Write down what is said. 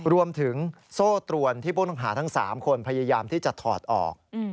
รวมถึงโซ่ตรวนที่ผู้ต้องหาทั้ง๓คนพยายามที่จะถอดออก